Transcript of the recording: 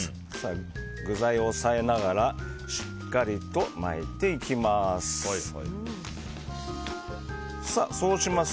具材を押さえながらしっかりと巻いていきます。